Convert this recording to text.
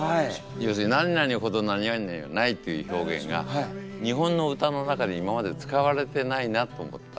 要するに「なになにほどなになにでない」っていう表現が日本の歌の中で今まで使われてないなと思った。